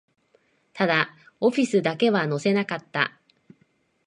ただ、オフィスだけは乗せなかった